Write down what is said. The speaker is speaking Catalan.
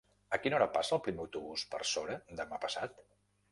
A quina hora passa el primer autobús per Sora demà passat?